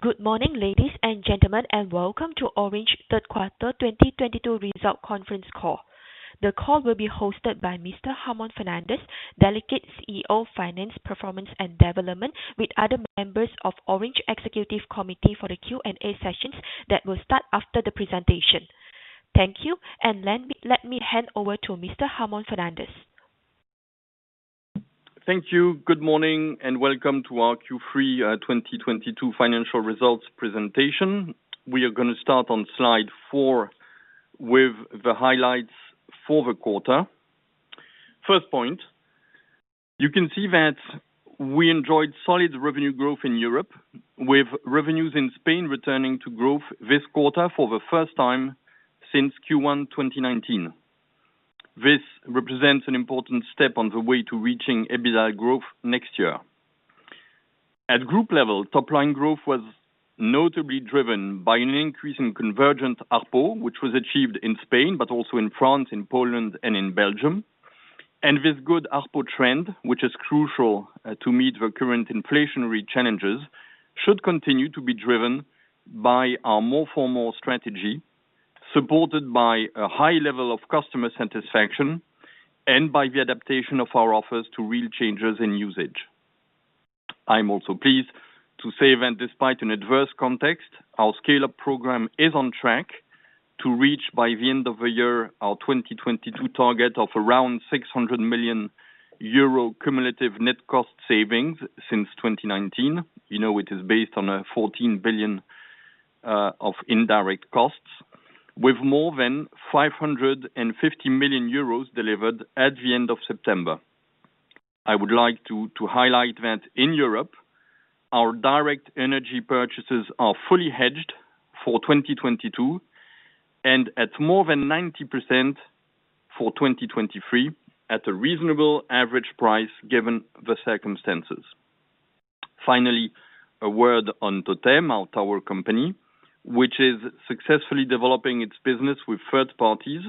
Good morning, ladies and gentlemen, and welcome to Orange third quarter 2022 results conference call. The call will be hosted by Mr. Ramon Fernandez, Delegate CEO, Finance, Performance and Development, with other members of Orange Executive Committee for the Q&A sessions that will start after the presentation. Thank you, and let me hand over to Mr. Ramon Fernandez. Thank you. Good morning and welcome to our Q3 2022 financial results presentation. We are gonna start on slide four with the highlights for the quarter. First point, you can see that we enjoyed solid revenue growth in Europe, with revenues in Spain returning to growth this quarter for the first time since Q1 2019. This represents an important step on the way to reaching EBITDA growth next year. At group level, top line growth was notably driven by an increase in convergent ARPU, which was achieved in Spain, but also in France, in Poland and in Belgium. This good ARPU trend, which is crucial to meet the current inflationary challenges, should continue to be driven by our more for more strategy, supported by a high level of customer satisfaction and by the adaptation of our offers to real changes in usage. I'm also pleased to say that despite an adverse context, our Scale Up program is on track to reach by the end of the year our 2022 target of around 600 million euro cumulative net cost savings since 2019. You know it is based on 14 billion of indirect costs with more than 550 million euros delivered at the end of September. I would like to highlight that in Europe our direct energy purchases are fully hedged for 2022 and at more than 90% for 2023 at a reasonable average price given the circumstances. Finally, a word on TOTEM, our tower company, which is successfully developing its business with third parties,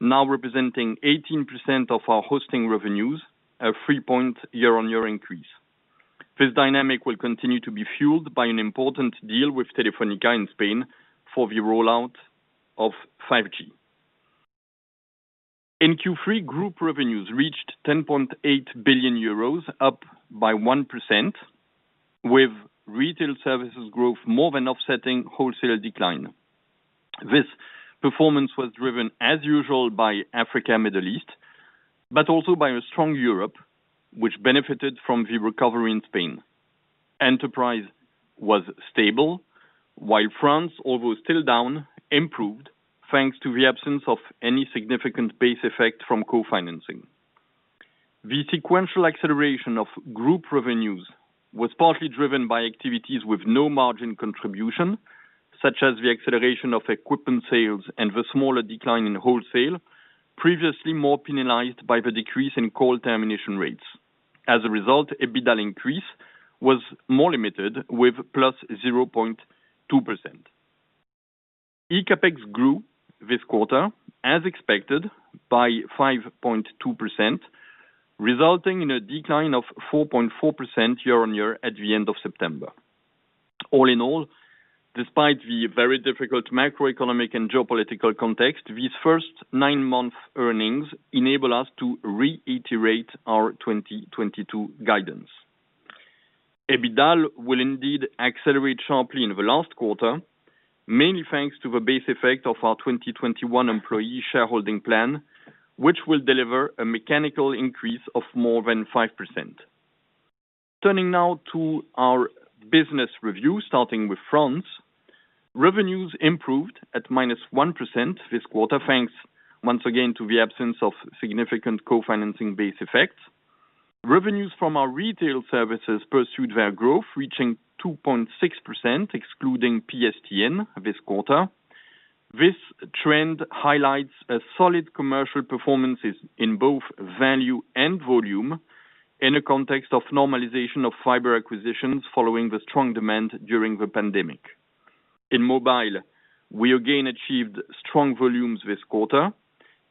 now representing 18% of our hosting revenues, a three-point year-on-year increase. This dynamic will continue to be fueled by an important deal with Telefónica in Spain for the rollout of 5G. In Q3, group revenues reached 10.8 billion euros, up by 1%, with retail services growth more than offsetting wholesale decline. This performance was driven as usual by Africa, Middle East, but also by a strong Europe, which benefited from the recovery in Spain. Enterprise was stable, while France, although still down, improved, thanks to the absence of any significant base effect from co-financing. The sequential acceleration of group revenues was partly driven by activities with no margin contribution, such as the acceleration of equipment sales and the smaller decline in wholesale, previously more penalized by the decrease in call termination rates. As a result, EBITDA increase was more limited with +0.2%. eCAPEX grew this quarter as expected by 5.2%, resulting in a decline of 4.4% year-on-year at the end of September. All in all, despite the very difficult macroeconomic and geopolitical context, these first nine-month earnings enable us to reiterate our 2022 guidance. EBITDA will indeed accelerate sharply in the last quarter, mainly thanks to the base effect of our 2021 employee shareholding plan, which will deliver a mechanical increase of more than 5%. Turning now to our business review, starting with France. Revenues improved at -1% this quarter, thanks once again to the absence of significant co-financing base effects. Revenues from our retail services pursued their growth, reaching 2.6% excluding PSTN this quarter. This trend highlights a solid commercial performance in both value and volume in a context of normalization of fiber acquisitions following the strong demand during the pandemic. In mobile, we again achieved strong volumes this quarter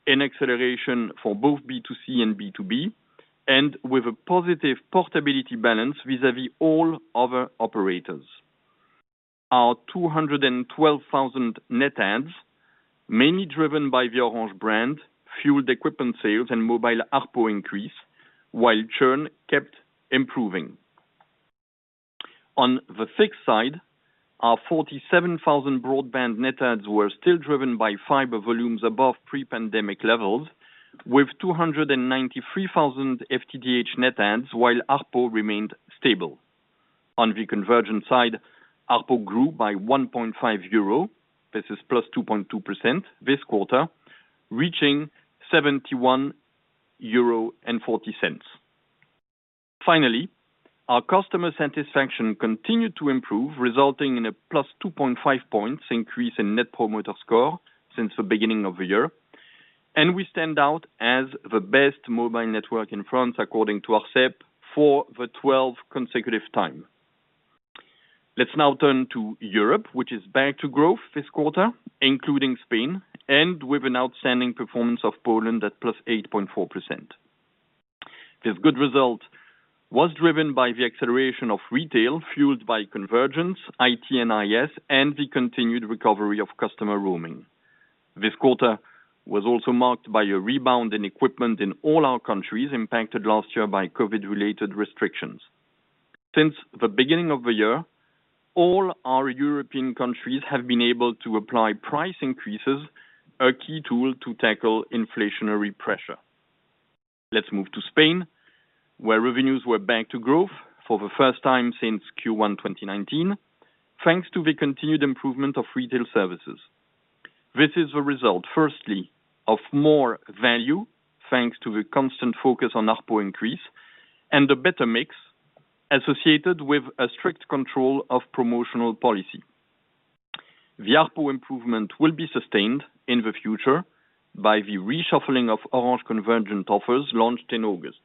in acceleration for both B2C and B2B, and with a positive portability balance vis-à-vis all other operators. Our 212,000 net adds, mainly driven by the Orange brand, fueled equipment sales and mobile ARPU increase while churn kept improving. On the fixed side, our 47,000 broadband net adds were still driven by fiber volumes above pre-pandemic levels with 293,000 FTTH net adds while ARPU remained stable. On the convergent side, ARPU grew by 1.5 euro. This is +2.2% this quarter, reaching 71.40 euro. Finally, our customer satisfaction continued to improve, resulting in a +2.5 points increase in Net Promoter Score since the beginning of the year. We stand out as the best mobile network in France according to ARCEP for the 12th consecutive time. Let's now turn to Europe, which is back to growth this quarter, including Spain, and with an outstanding performance of Poland at +8.4%. This good result was driven by the acceleration of retail, fueled by convergence, IT and IS, and the continued recovery of customer roaming. This quarter was also marked by a rebound in equipment in all our countries impacted last year by COVID-related restrictions. Since the beginning of the year, all our European countries have been able to apply price increases, a key tool to tackle inflationary pressure. Let's move to Spain, where revenues were back to growth for the first time since Q1 2019. Thanks to the continued improvement of retail services. This is a result, firstly, of more value thanks to the constant focus on ARPU increase and a better mix associated with a strict control of promotional policy. The ARPU improvement will be sustained in the future by the reshuffling of Orange convergent offers launched in August.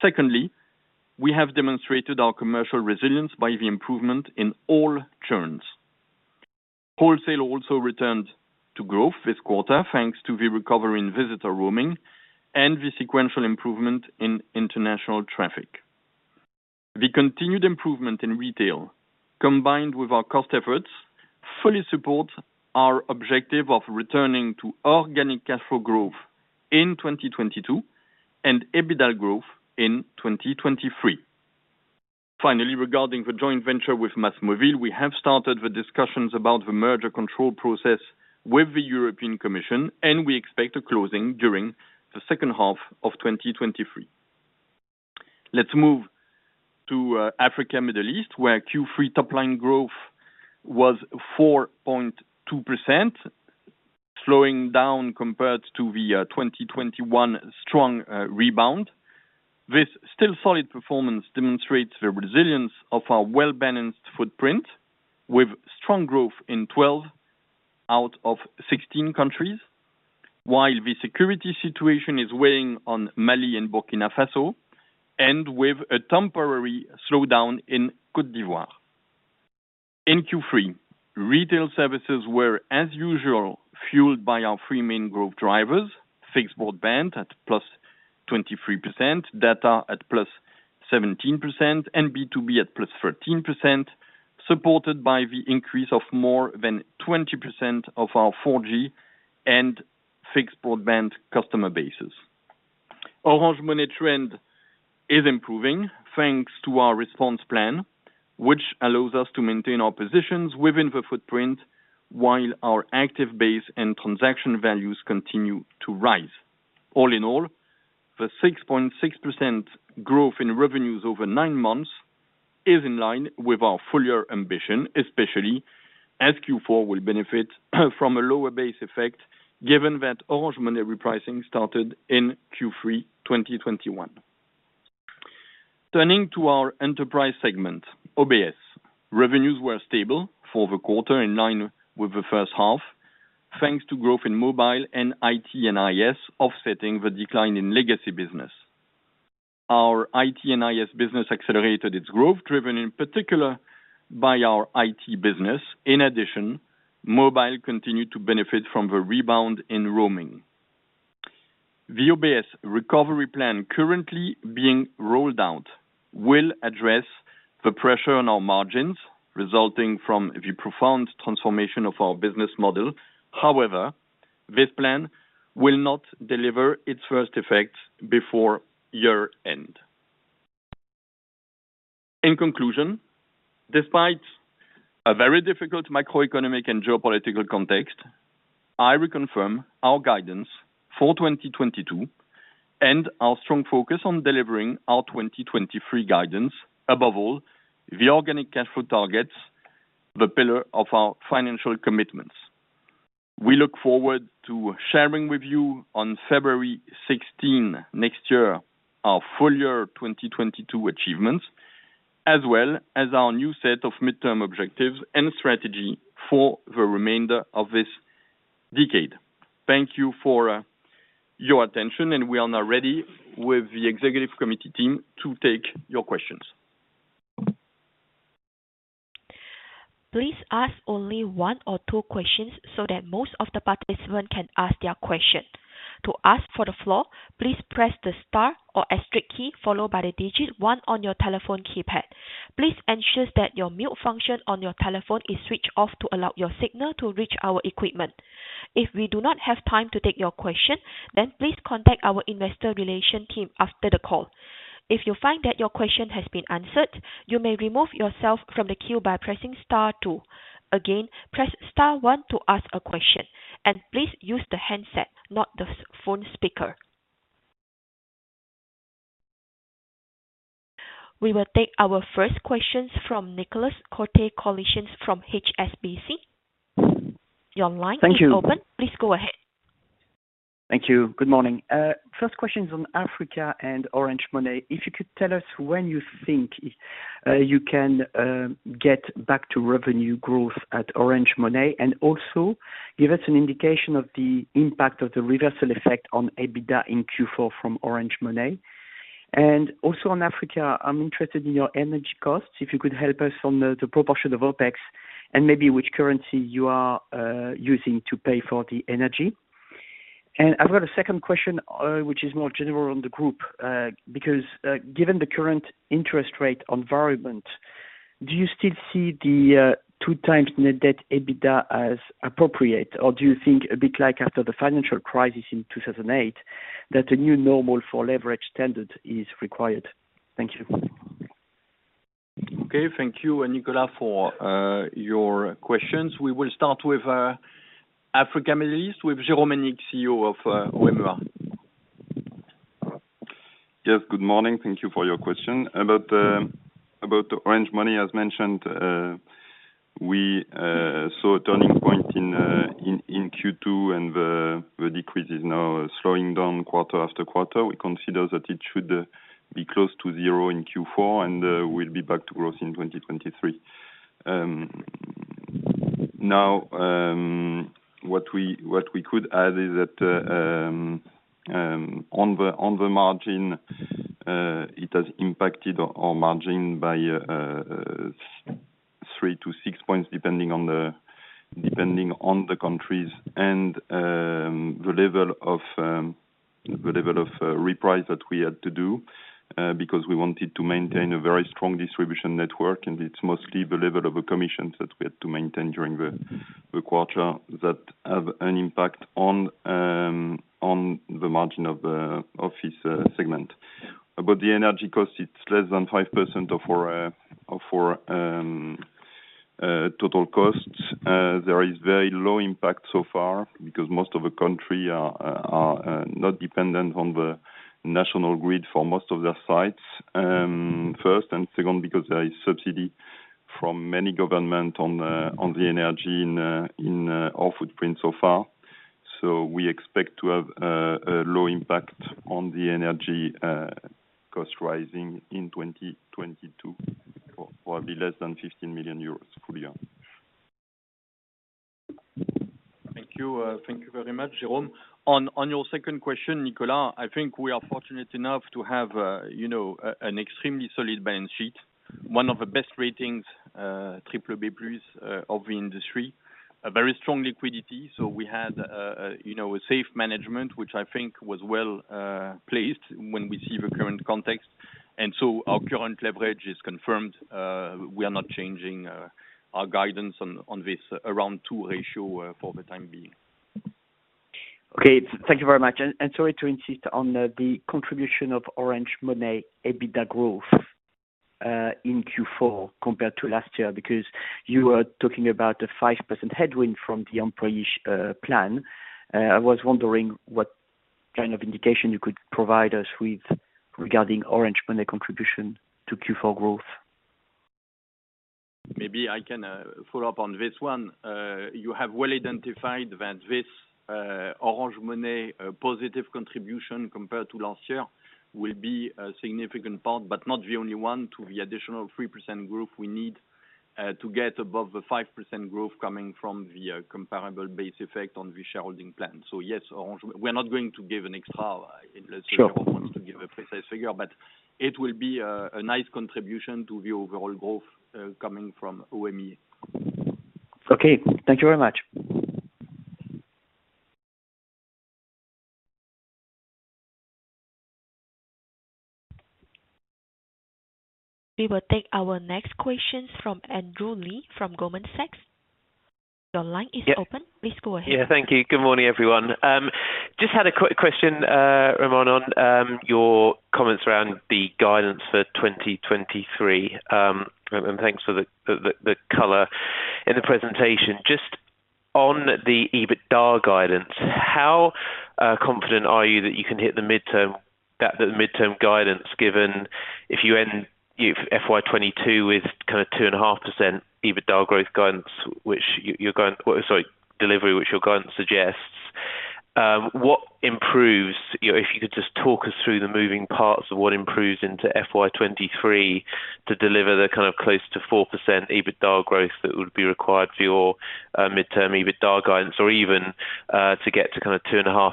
Secondly, we have demonstrated our commercial resilience by the improvement in all churns. Wholesale also returned to growth this quarter, thanks to the recovery in visitor roaming and the sequential improvement in international traffic. The continued improvement in retail, combined with our cost efforts, fully support our objective of returning to organic cash flow growth in 2022 and EBITDA growth in 2023. Finally, regarding the joint venture with MASMOVIL, we have started the discussions about the merger control process with the European Commission, and we expect a closing during the second half of 2023. Let's move to Middle East and Africa, where Q3 top line growth was 4.2%, slowing down compared to the 2021 strong rebound. This still solid performance demonstrates the resilience of our well-balanced footprint with strong growth in 12 out of 16 countries. While the security situation is weighing on Mali and Burkina Faso and with a temporary slowdown in Côte d'Ivoire. In Q3, retail services were as usual fueled by our three main growth drivers. Fixed broadband at +23%, data at +17%, and B2B at +13%, supported by the increase of more than 20% of our 4G and fixed broadband customer bases. Orange Money trend is improving thanks to our response plan, which allows us to maintain our positions within the footprint while our active base and transaction values continue to rise. All in all, the 6.6% growth in revenues over nine months is in line with our full-year ambition, especially as Q4 will benefit from a lower base effect given that Orange Money repricing started in Q3 2021. Turning to our enterprise segment, OBS. Revenues were stable for the quarter in line with the first half, thanks to growth in mobile and IT and IS offsetting the decline in legacy business. Our IT and IS business accelerated its growth, driven in particular by our IT business. In addition, mobile continued to benefit from the rebound in roaming. The OBS recovery plan currently being rolled out will address the pressure on our margins resulting from the profound transformation of our business model. However, this plan will not deliver its first effect before year-end. In conclusion, despite a very difficult macroeconomic and geopolitical context, I reconfirm our guidance for 2022 and our strong focus on delivering our 2023 guidance. Above all, the organic cash flow targets the pillar of our financial commitments. We look forward to sharing with you on February 16 next year, our full year 2022 achievements, as well as our new set of midterm objectives and strategy for the remainder of this decade. Thank you for your attention, and we are now ready with the executive committee team to take your questions. Please ask only one or two questions so that most of the participants can ask their question. To ask for the floor, please press the star or asterisk key, followed by the digit one on your telephone keypad. Please ensure that your mute function on your telephone is switched off to allow your signal to reach our equipment. If we do not have time to take your question, please contact our investor relations team after the call. If you find that your question has been answered, you may remove yourself from the queue by pressing star two. Again, press star one to ask a question, and please use the handset, not the speakerphone. We will take our first questions from Nicolas Cote-Colisson from HSBC. Your line is open. Thank you. Please go ahead. Thank you. Good morning. First question is on Africa and Orange Money. If you could tell us when you think you can get back to revenue growth at Orange Money, and also give us an indication of the impact of the reversal effect on EBITDA in Q4 from Orange Money. Also on Africa, I'm interested in your energy costs, if you could help us on the proportion of OpEx and maybe which currency you are using to pay for the energy. I've got a second question, which is more general on the group, because given the current interest rate environment, do you still see the 2x net debt EBITDA as appropriate, or do you think a bit like after the financial crisis in 2008, that a new normal for leverage standard is required? Thank you. Okay. Thank you, Nicolas, for your questions. We will start with Africa Middle East with Jérôme Hénique, CEO of Orange. Yes. Good morning. Thank you for your question. About the Orange Money as mentioned, we saw a turning point in Q2, and the decrease is now slowing down quarter after quarter. We consider that it should be close to zero in Q4, and we'll be back to growth in 2023. Now, what we could add is that on the margin, it has impacted our margin by three to six points, depending on the countries and the level of reprice that we had to do because we wanted to maintain a very strong distribution network, and it's mostly the level of commissions that we had to maintain during the quarter that have an impact on the margin of this segment. About the energy cost, it's less than 5% of our total costs. There is very low impact so far because most of the country are not dependent on the national grid for most of their sites, first. Second, because there is subsidy from many government on the energy in our footprint so far. We expect to have a low impact on the energy cost rising in 2022, for probably less than 15 million euros full year. Thank you. Thank you very much, Jérôme. On your second question, Nicolas, I think we are fortunate enough to have, you know, an extremely solid balance sheet. One of the best ratings, triple B plus, of the industry. A very strong liquidity. We had, you know, a cash management, which I think was well placed when we see the current context. Our current leverage is confirmed. We are not changing our guidance on this around 2 ratio for the time being. Okay. Thank you very much. Sorry to insist on the contribution of Orange Money EBITDA growth in Q4 compared to last year, because you were talking about the 5% headwind from the employee plan. I was wondering what kind of indication you could provide us with regarding Orange Money contribution to Q4 growth. Maybe I can follow up on this one. You have well identified that this Orange Money positive contribution compared to last year will be a significant part, but not the only one to the additional 3% growth we need to get above the 5% growth coming from the comparable base effect on the shareholding plan. Yes, Orange. We're not going to give an extra- Sure. Unless Jérôme wants to give a precise figure, but it will be a nice contribution to the overall growth coming from EMEA. Okay. Thank you very much. We will take our next questions from Andrew Lee from Goldman Sachs. Your line is open. Yeah. Please go ahead. Yeah. Thank you. Good morning, everyone. Just had a question, Ramon, on your comments around the guidance for 2023. Ramon, thanks for the color in the presentation. Just on the EBITDA guidance, how confident are you that you can hit the midterm guidance given if you end FY 2022 with kind of 2.5% EBITDA growth guidance, which you're going, sorry, delivery, which your guidance suggests. What improves? You know, if you could just talk us through the moving parts of what improves into FY 2023 to deliver the kind of close to 4% EBITDA growth that would be required for your midterm EBITDA guidance, or even to get to kind of 2.5%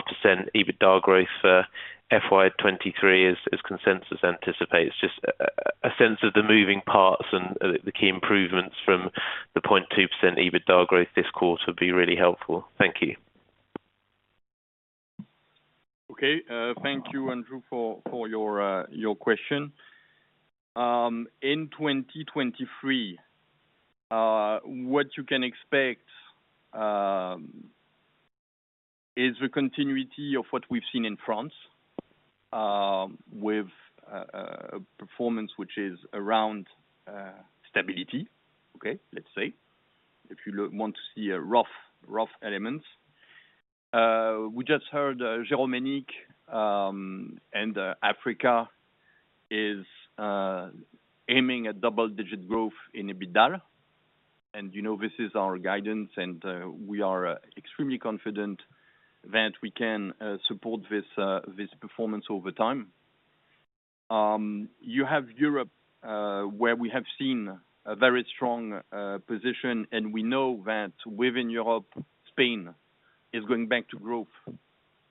EBITDA growth for FY 2023 as consensus anticipates. Just a sense of the moving parts and the key improvements from the 0.2% EBITDA growth this quarter would be really helpful. Thank you. Thank you, Andrew, for your question. In 2023, what you can expect is the continuity of what we've seen in France, with a performance which is around stability. If you want to see rough elements. We just heard Jérôme Hénique, and Africa is aiming at double-digit growth in EBITDA. You know, this is our guidance, and we are extremely confident that we can support this performance over time. You have Europe, where we have seen a very strong position, and we know that within Europe, Spain is going back to growth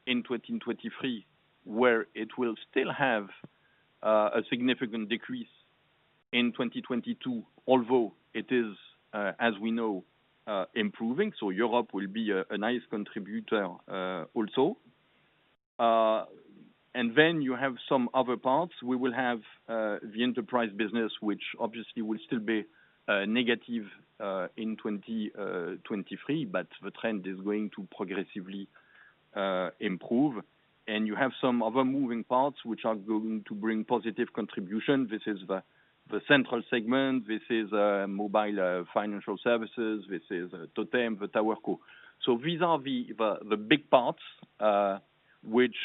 in 2023, where it will still have a significant decrease in 2022, although it is, as we know, improving. Europe will be a nice contributor also. You have some other parts. We will have the enterprise business, which obviously will still be negative in 2023, but the trend is going to progressively improve. You have some other moving parts which are going to bring positive contribution. This is the central segment. This is mobile financial services. This is TOTEM, the TowerCo. These are the big parts which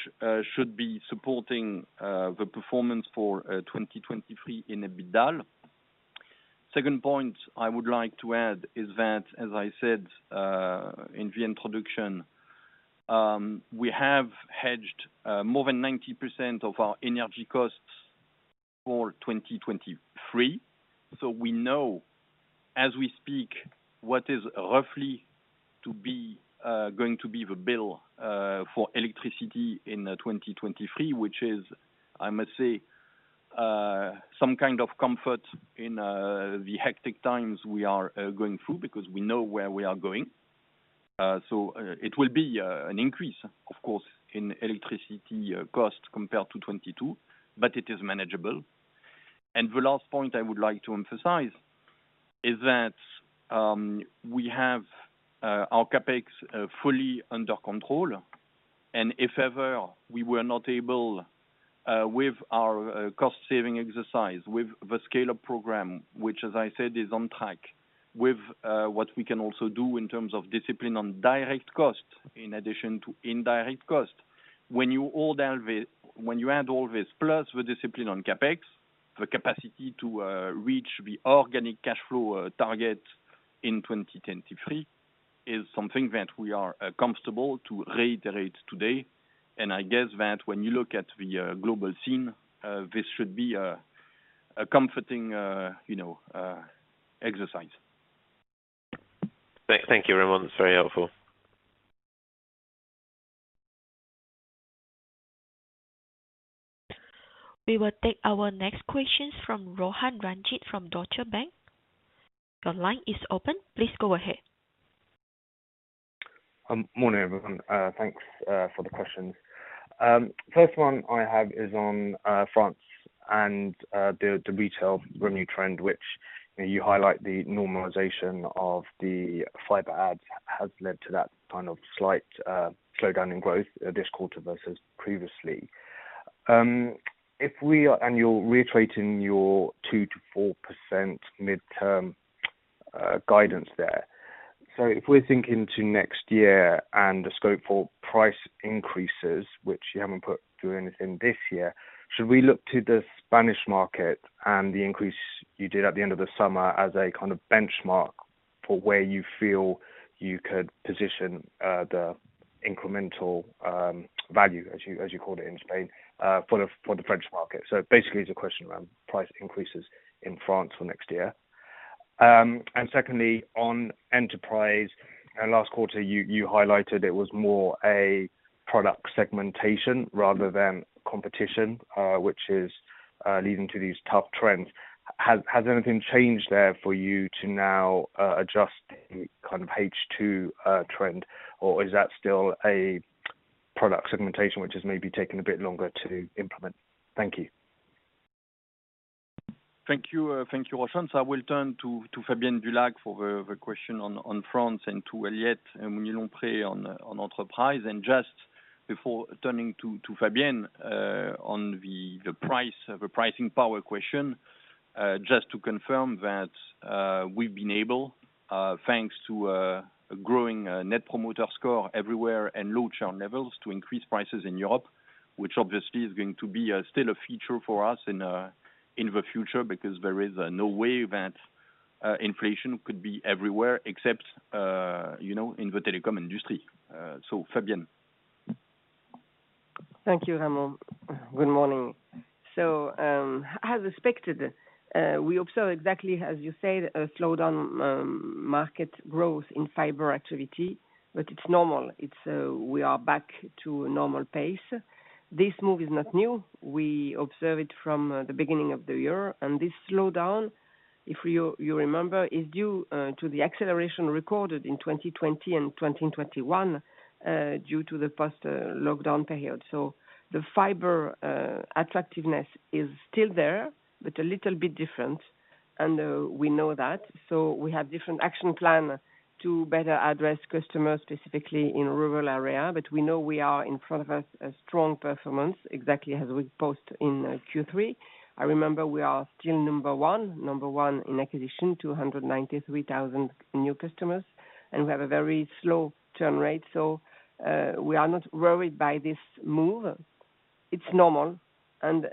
should be supporting the performance for 2023 in EBITDA. Second point I would like to add is that, as I said, in the introduction, we have hedged more than 90% of our energy costs for 2023. We know as we speak what is roughly going to be the bill for electricity in 2023, which is, I must say, some kind of comfort in the hectic times we are going through because we know where we are going. It will be an increase of course in electricity cost compared to 2022, but it is manageable. The last point I would like to emphasize is that we have our CapEx fully under control. If ever we were not able with our cost saving exercise, with the Scale Up program, which as I said, is on track with what we can also do in terms of discipline on direct cost, in addition to indirect cost. When you add all this up with discipline on CapEx, the capacity to reach the organic cash flow target in 2023 is something that we are comfortable to reiterate today. I guess that when you look at the global scene, this should be a comforting, you know, exercise. Thank you, Ramon. It's very helpful. We will take our next questions from Roshan Ranjit from Deutsche Bank. Your line is open. Please go ahead. Morning everyone. Thanks for the questions. First one I have is on France and the retail revenue trend, which you know you highlight the normalization of the fiber adds has led to that kind of slight slowdown in growth this quarter versus previously. You are reiterating your 2%-4% mid-term guidance there. If we are thinking to next year and the scope for price increases, which you haven't put through anything this year, should we look to the Spanish market and the increase you did at the end of the summer as a kind of benchmark for where you feel you could position the incremental value as you called it in Spain for the French market? Basically it's a question around price increases in France for next year. Secondly, on enterprise, last quarter you highlighted it was more a product segmentation rather than competition, which is leading to these tough trends. Has anything changed there for you to now adjust the kind of H2 trend, or is that still a product segmentation which has maybe taken a bit longer to implement? Thank you. Thank you. Thank you, Roshan. I will turn to Fabienne Dulac for the question on France and to Aliette Mousnier-Lompré on enterprise. Just before turning to Fabienne, on the pricing power question, just to confirm that, we've been able, thanks to growing Net Promoter Score everywhere and low churn levels to increase prices in Europe, which obviously is going to be still a feature for us in the future because there is no way that inflation could be everywhere except, you know, in the telecom industry. Fabienne. Thank you, Ramon. Good morning. As expected, we observe exactly as you said, a slowdown in market growth in fiber activity, but it's normal. We are back to normal pace. This move is not new. We observe it from the beginning of the year. This slowdown, if you remember, is due to the acceleration recorded in 2020 and 2021, due to the post lockdown period. The fiber attractiveness is still there, but a little bit different, and we know that. We have different action plans to better address customers, specifically in rural areas. We know we are posting a strong performance exactly as we posted in Q3. I remember we are still number one in acquisition, 293,000 new customers, and we have a very slow churn rate. We are not worried by this move. It's normal and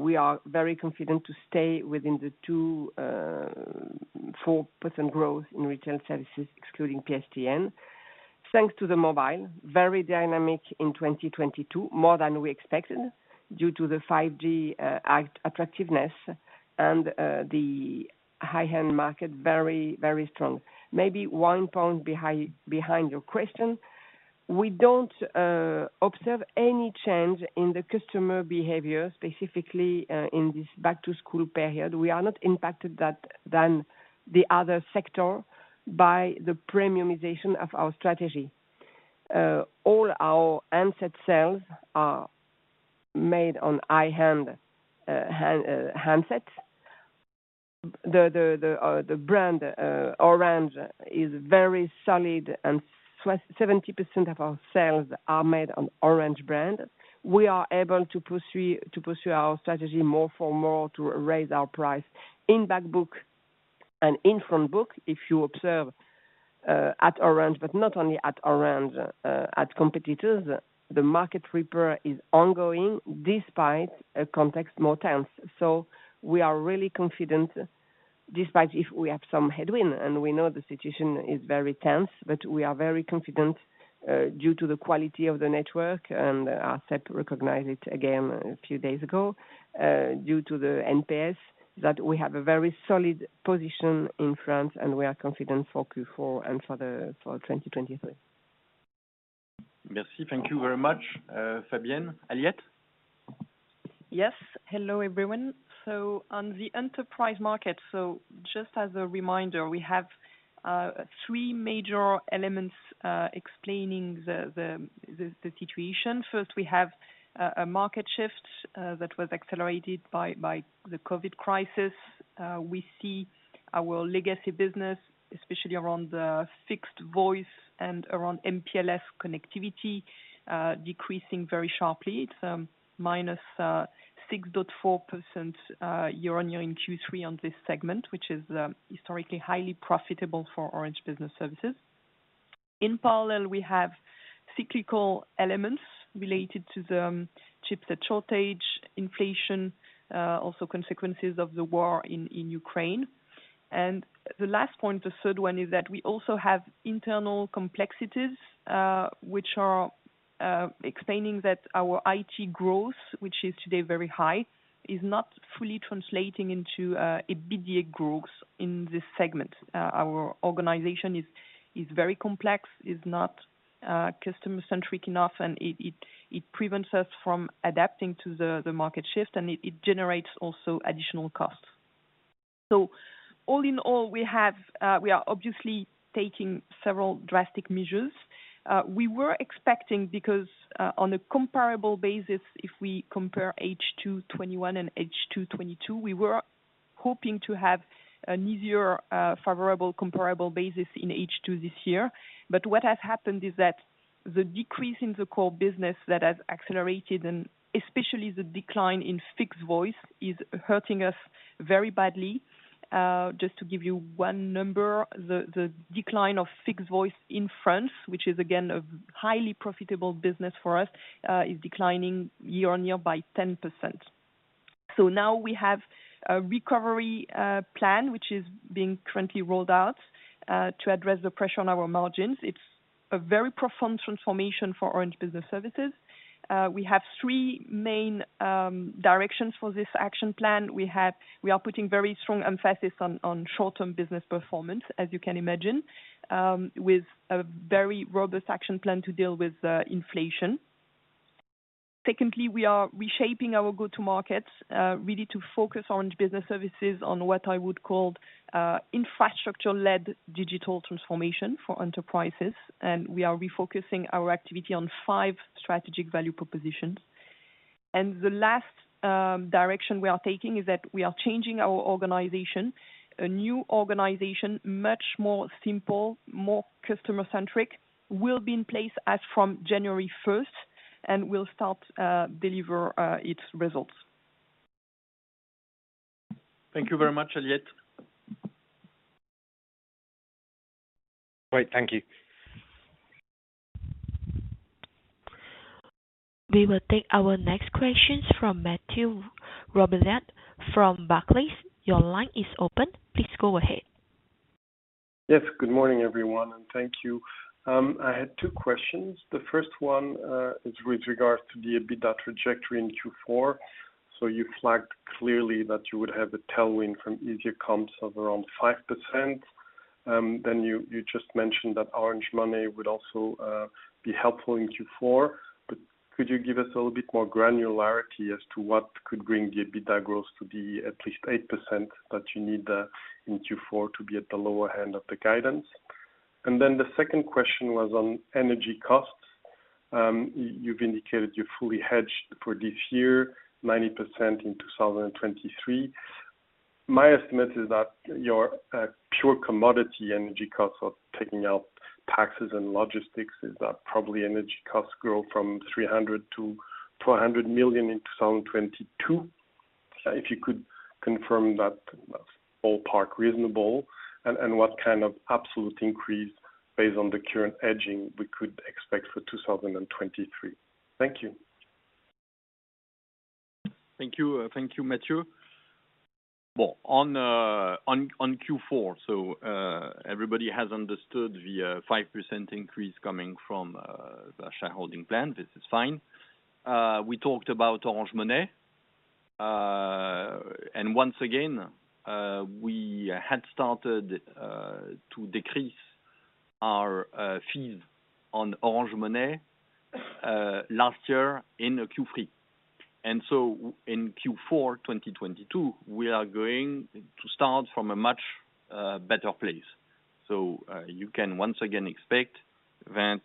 we are very confident to stay within the 2%-4% growth in retail services excluding PSTN. Thanks to the mobile, very dynamic in 2022, more than we expected due to the 5G attractiveness and the high-end market very, very strong. Maybe one point behind your question. We don't observe any change in the customer behavior, specifically, in this back to school period. We are not impacted more than the other sector by the premiumization of our strategy. All our handset sales are made on high-end handsets. The brand Orange is very solid and 70% of our sales are made on Orange brand. We are able to pursue our strategy more and more to raise our price in back book and in front book, if you observe at Orange, but not only at Orange, at competitors. The market recovery is ongoing despite a more tense context. We are really confident despite if we have some headwind and we know the situation is very tense, but we are very confident due to the quality of the network and Arcep recognized it again a few days ago due to the NPS that we have a very solid position in France, and we are confident for Q4 and for 2023. Merci. Thank you very much, Fabienne. Aliette? Yes. Hello, everyone. On the enterprise market, just as a reminder, we have three major elements explaining the situation. First, we have a market shift that was accelerated by the COVID crisis. We see our legacy business, especially around the fixed voice and around MPLS connectivity, decreasing very sharply. It's minus 6.4% year-on-year in Q3 on this segment, which is historically highly profitable for Orange Business Services. In parallel, we have cyclical elements related to the chipset shortage, inflation, also consequences of the war in Ukraine. The last point, the third one, is that we also have internal complexities which are explaining that our IT growth, which is today very high, is not fully translating into EBITDA growth in this segment. Our organization is very complex, not customer-centric enough, and it prevents us from adapting to the market shift, and it generates also additional costs. All in all, we are obviously taking several drastic measures. We were expecting on a comparable basis, if we compare H2 2021 and H2 2022, we were hoping to have an easier favorable comparable basis in H2 this year. What has happened is that the decrease in the core business that has accelerated, and especially the decline in fixed voice is hurting us very badly. Just to give you one number, the decline of fixed voice in France, which is again a highly profitable business for us, is declining year-on-year by 10%. Now we have a recovery plan which is being currently rolled out to address the pressure on our margins. It's a very profound transformation for Orange Business Services. We have three main directions for this action plan. We are putting very strong emphasis on short-term business performance, as you can imagine, with a very robust action plan to deal with inflation. Secondly, we are reshaping our go-to markets really to focus Orange Business Services on what I would call infrastructure-led digital transformation for enterprises. We are refocusing our activity on five strategic value propositions. The last direction we are taking is that we are changing our organization. A new organization, much more simple, more customer-centric, will be in place as from January first and will start to deliver its results. Thank you very much, Aliette. Great. Thank you. We will take our next questions from Mathieu Robilliard from Barclays. Your line is open. Please go ahead. Yes. Good morning, everyone, and thank you. I had two questions. The first one is with regards to the EBITDA trajectory in Q4. You flagged clearly that you would have a tailwind from easier comps of around 5%. You just mentioned that Orange Money would also be helpful in Q4. Could you give us a little bit more granularity as to what could bring the EBITDA growth to be at least 8% that you need in Q4 to be at the lower end of the guidance? The second question was on energy costs. You've indicated you're fully hedged for this year, 90% in 2023. My estimate is that your pure commodity energy costs are taking out taxes and logistics. Is that probably energy costs grow from 300 million to 400 million in 2022? If you could confirm that ballpark reasonable and what kind of absolute increase based on the current hedging we could expect for 2023. Thank you. Thank you. Thank you, Mathieu. Well, on Q4. Everybody has understood the 5% increase coming from the shareholding plan. This is fine. We talked about Orange Money. Once again, we had started to decrease our fees on Orange Money last year in Q3. In Q4 2022, we are going to start from a much better place. You can once again expect that,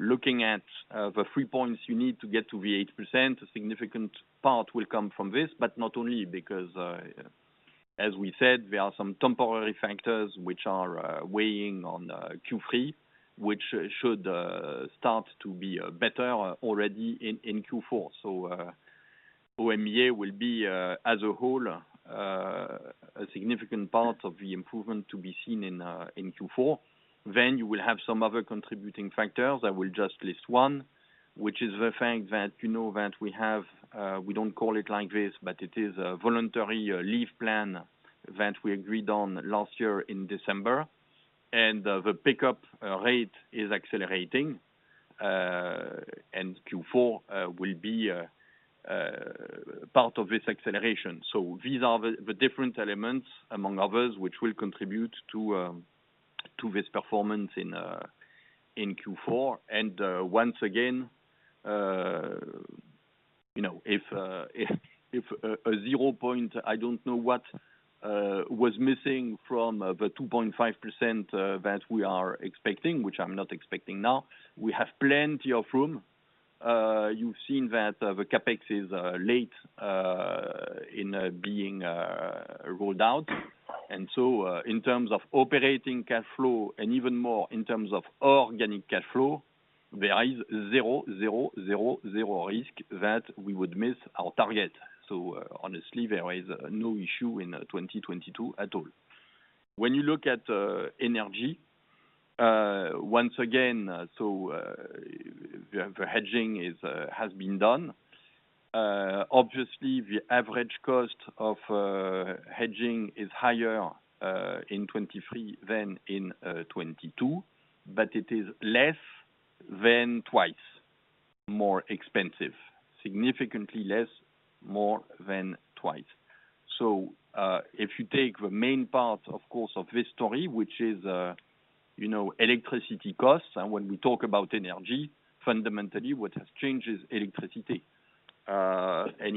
looking at the 3 points you need to get to the 8%, a significant part will come from this, but not only because, as we said, there are some temporary factors which are weighing on Q3, which should start to be better already in Q4. OMEA will be, as a whole, a significant part of the improvement to be seen in Q4. You will have some other contributing factors. I will just list one, which is the fact that you know that we have, we don't call it like this, but it is a voluntary leave plan that we agreed on last year in December. The pickup rate is accelerating, and Q4 will be part of this acceleration. These are the different elements among others, which will contribute to this performance in Q4. Once again, you know, if a zero point, I don't know what, was missing from the 2.5% that we are expecting, which I'm not expecting now, we have plenty of room. You've seen that the CapEx is late in being ruled out. In terms of operating cash flow, and even more in terms of organic cash flow, there is zero risk that we would miss our target. Honestly, there is no issue in 2022 at all. When you look at energy once again, the hedging has been done. Obviously the average cost of hedging is higher in 2023 than in 2022, but it is less than twice more expensive, significantly less, more than twice. If you take the main part, of course, of this story, which is, you know, electricity costs, and when we talk about energy, fundamentally, what has changed is electricity.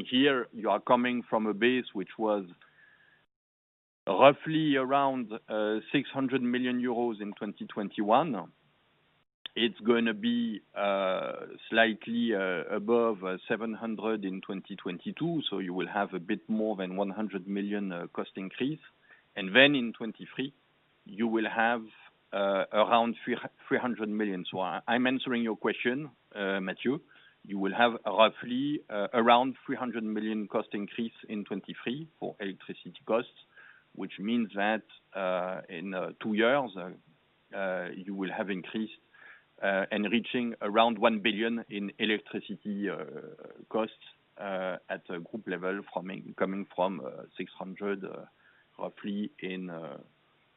Here you are coming from a base, which was roughly around 600 million euros in 2021. It's gonna be slightly above 700 million in 2022. You will have a bit more than 100 million cost increase. Then in 2023, you will have around 300 million. I'm answering your question, Mathieu, you will have roughly around 300 million cost increase in 2023 for electricity costs, which means that in two years you will have increased and reaching around 1 billion in electricity costs at a group level coming from 600 million roughly in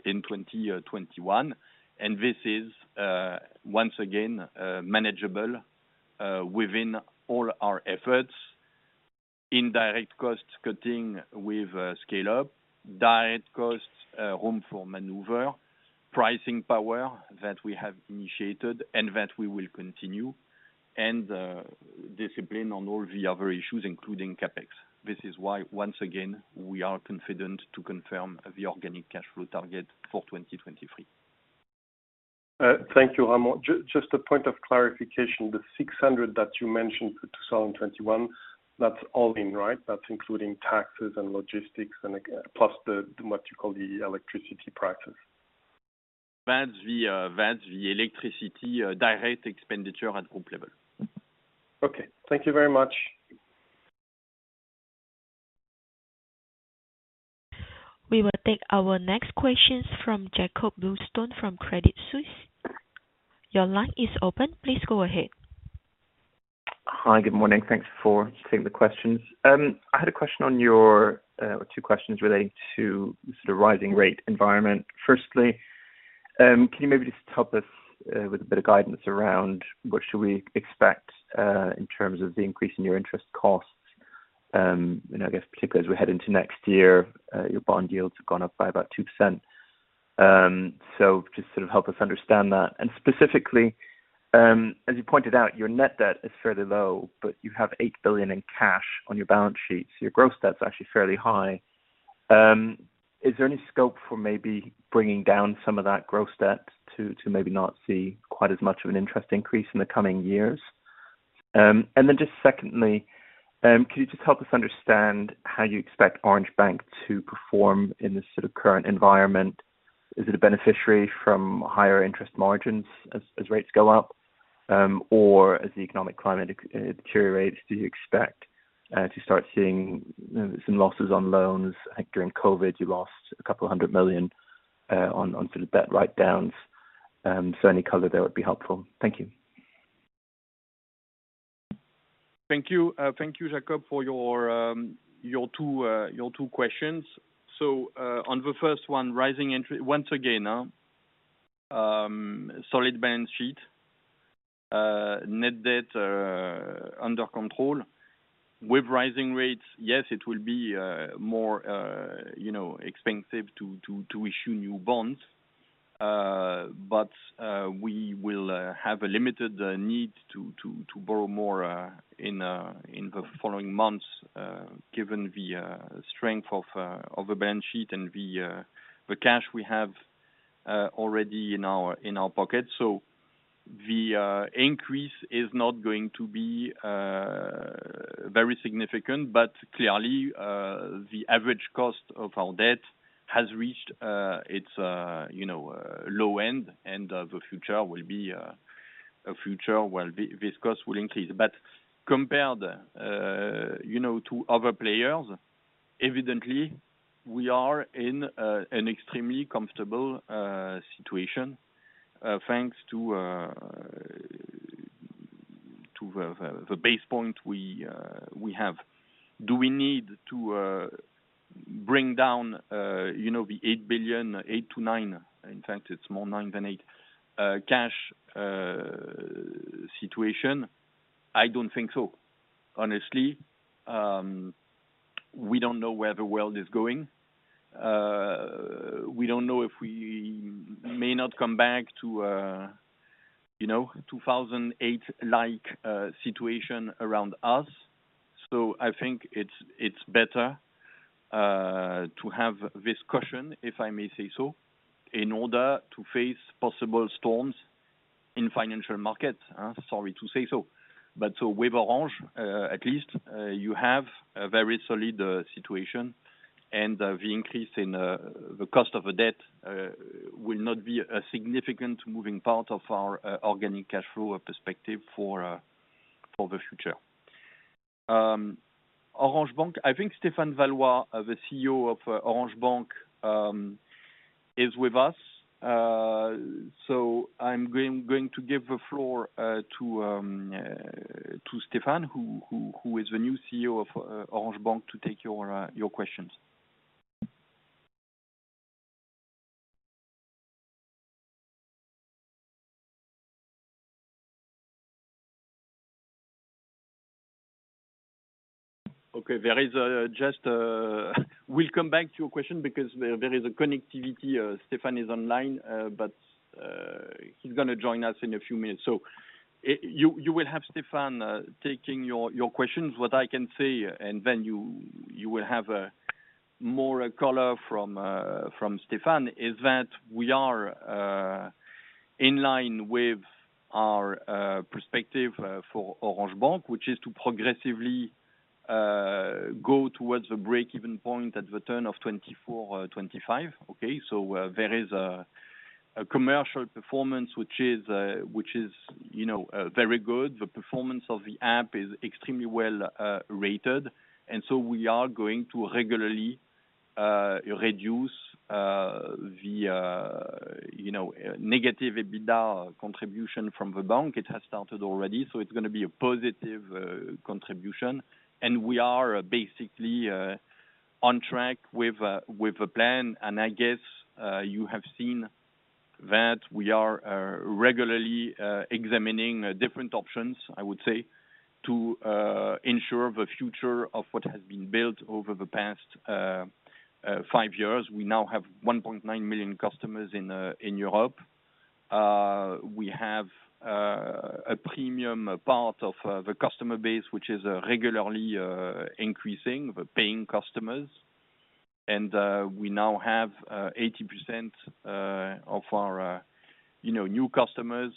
2021. This is once again manageable within all our efforts. Indirect cost cutting with Scale Up, direct costs, room for maneuver, pricing power that we have initiated and that we will continue, and discipline on all the other issues, including CapEx. This is why, once again, we are confident to confirm the organic cash flow target for 2023. Thank you, Ramon. Just a point of clarification, the 600 that you mentioned for 2021, that's all in, right? That's including taxes and logistics and plus the, what you call the electricity prices. That's the electricity direct expenditure at group level. Okay. Thank you very much. We will take our next questions from Jakob Bluestone from Credit Suisse. Your line is open. Please go ahead. Hi, good morning. Thanks for taking the questions. I had a question on your or two questions relating to sort of rising rate environment. Firstly, can you maybe just help us with a bit of guidance around what should we expect in terms of the increase in your interest costs? I guess particularly as we head into next year, your bond yields have gone up by about 2%. So just to sort of help us understand that. Specifically, as you pointed out, your net debt is fairly low, but you have 8 billion in cash on your balance sheets. Your gross debt is actually fairly high. Is there any scope for maybe bringing down some of that gross debt to maybe not see quite as much of an interest increase in the coming years? Just secondly, could you just help us understand how you expect Orange Bank to perform in this sort of current environment? Is it a beneficiary from higher interest margins as rates go up? Or as the economic climate deteriorates, do you expect to start seeing some losses on loans? During COVID, you lost 200 million on sort of bad write-downs. Any color there would be helpful. Thank you. Thank you. Thank you, Jakob, for your two questions. On the first one, once again, solid balance sheet. Net debt under control. With rising rates, yes, it will be more, you know, expensive to issue new bonds. But we will have a limited need to borrow more in the following months, given the strength of the balance sheet and the cash we have already in our pocket. The increase is not going to be very significant. But clearly, the average cost of our debt has reached its, you know, low end, and the future will be a future where this cost will increase. Compared, you know, to other players, evidently we are in an extremely comfortable situation, thanks to the base point we have. Do we need to bring down, you know, the 8 billion-9 billion cash situation? In fact it's more nine than eight. I don't think so. Honestly, we don't know where the world is going. We don't know if we may not come back to, you know, 2008-like situation around us. I think it's better to have this cushion, if I may say so, in order to face possible storms in financial markets. Sorry to say so. With Orange, at least, you have a very solid situation, and the increase in the cost of the debt will not be a significant moving part of our organic cash flow perspective for the future. Orange Bank, I think Stéphane Vallois, the CEO of Orange Bank, is with us. I'm going to give the floor to Stéphane, who is the new CEO of Orange Bank, to take your questions. Okay. We'll come back to your question because there is a connectivity. Stéphane is online, but he's gonna join us in a few minutes. You will have Stéphane taking your questions. What I can say, and then you will have more color from Stéphane, is that we are in line with our perspective for Orange Bank, which is to progressively go towards the break-even point at the turn of 2024 or 2025. Okay. There is a commercial performance which is, you know, very good. The performance of the app is extremely well rated. We are going to regularly reduce the, you know, negative EBITDA contribution from the bank. It has started already, so it's gonna be a positive contribution. We are basically on track with a plan. I guess you have seen that we are regularly examining different options, I would say, to ensure the future of what has been built over the past five years. We now have 1.9 million customers in Europe. We have a premium part of the customer base, which is regularly increasing, the paying customers. We now have 80% of our, you know, new customers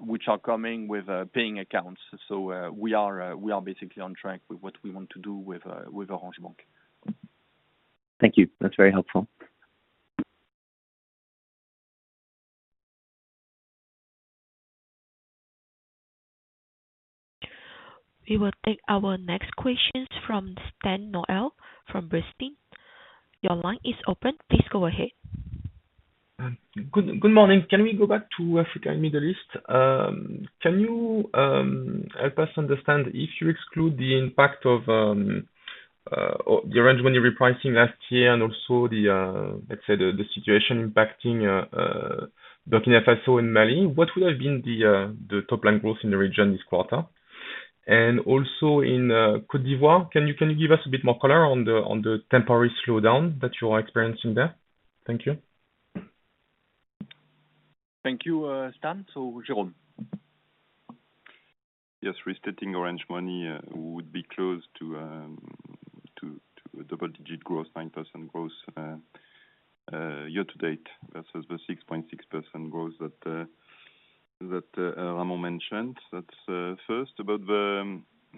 which are coming with paying accounts. We are basically on track with what we want to do with Orange Bank. Thank you. That's very helpful. We will take our next questions from Stan Noel from Bernstein. Your line is open. Please go ahead. Good morning. Can we go back to Africa and Middle East? Can you help us understand if you exclude the impact of the Orange Money repricing last year and also the, let's say, the situation impacting Burkina Faso and Mali, what would have been the top line growth in the region this quarter? Also in Côte d'Ivoire, can you give us a bit more color on the temporary slowdown that you are experiencing there? Thank you. Thank you, Stan. Jérôme. Yes. Restating Orange Money would be close to a double-digit growth, 9% growth year to date versus the 6.6% growth that Ramon mentioned. That's first. About the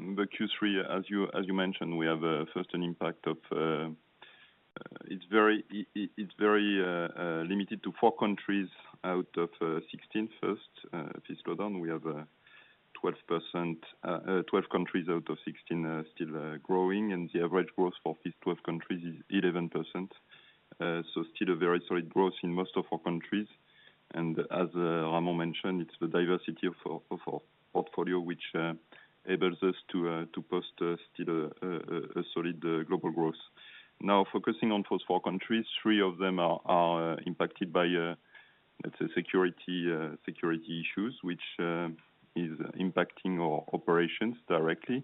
Q3, as you mentioned, we have first an impact of, it's very limited to four countries out of 16, this slowdown. We have 12 countries out of 16 are still growing, and the average growth for these 12 countries is 11%. Still a very solid growth in most of our countries. As Ramon mentioned, it's the diversity of our portfolio which enables us to post still a solid global growth. Now focusing on those four countries, three of them are impacted by, let's say, security issues, which is impacting our operations directly,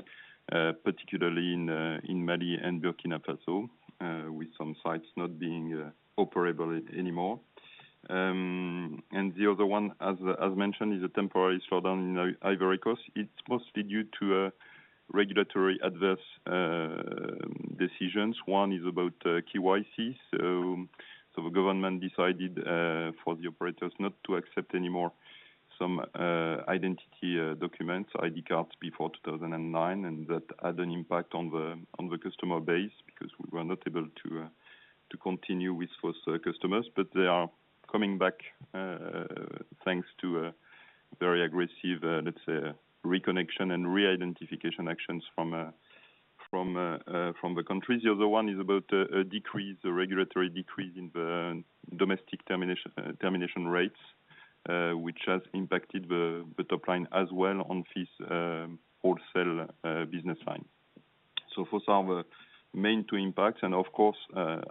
particularly in Mali and Burkina Faso, with some sites not being operable anymore. The other one, as mentioned, is a temporary slowdown in Ivory Coast. It's mostly due to regulatory adverse decisions. One is about KYC. The government decided for the operators not to accept any more some identity documents, ID cards before 2009, and that had an impact on the customer base because we were not able to continue with those customers. They are coming back, thanks to a very aggressive, let's say, reconnection and re-identification actions from the country. The other one is about a regulatory decrease in the domestic termination rates, which has impacted the top line as well on fees, wholesale business line. The main two impacts and of course,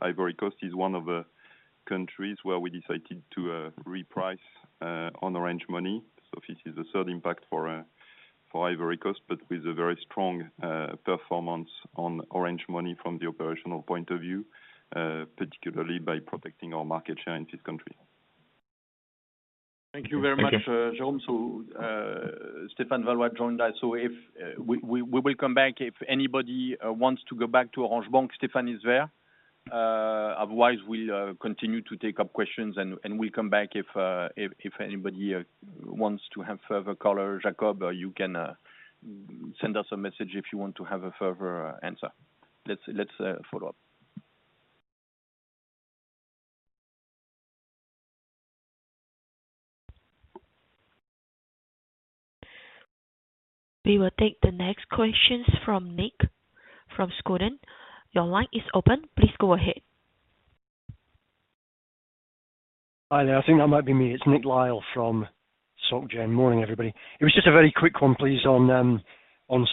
Ivory Coast is one of the countries where we decided to reprice on Orange Money. This is the third impact for Ivory Coast, but with a very strong performance on Orange Money from the operational point of view, particularly by protecting our market share in this country. Thank you very much, Jérôme. Stéphane Vallois joined us. We will come back if anybody wants to go back to Orange Bank, Stéphane is there. Otherwise we'll continue to take up questions and we'll come back if anybody wants to have further color. Jakob, you can send us a message if you want to have a further answer. Let's follow up. We will take the next questions from Nick from SocGen. Your line is open. Please go ahead. Hi there. I think that might be me. It's Nick Lyall from SocGen. Morning, everybody. It was just a very quick one, please, on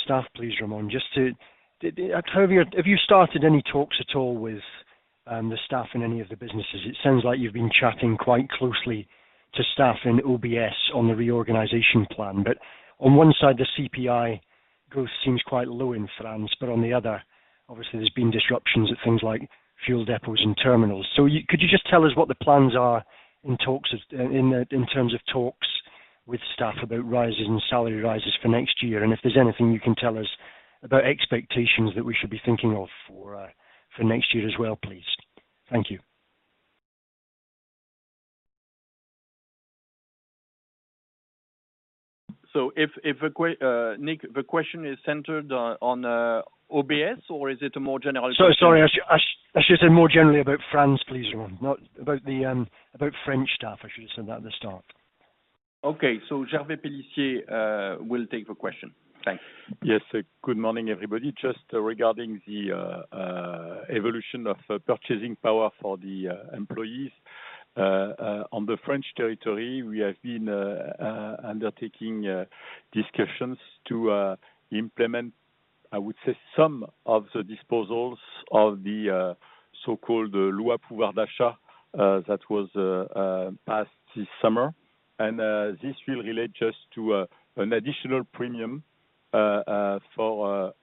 staff, please, Ramon. Have you started any talks at all with the staff in any of the businesses? It sounds like you've been chatting quite closely to staff in OBS on the reorganization plan. On one side, the CPI growth seems quite low in France, but on the other, obviously there's been disruptions at things like fuel depots and terminals. Could you just tell us what the plans are in terms of talks with staff about rises and salary rises for next year? If there's anything you can tell us about expectations that we should be thinking of for next year as well, please. Thank you. If a question, Nick, the question is centered on OBS or is it a more general? Sorry, I should say more generally about France, please, Ramon, not about French staff. I should have said that at the start. Okay. Gervais Pellissier will take the question. Thanks. Yes. Good morning, everybody. Just regarding the evolution of purchasing power for the employees. On the French territory, we have been undertaking discussions to implement, I would say, some of the dispositions of the so-called Loi pouvoir d'achat that was passed this summer. This will relate just to an additional premium for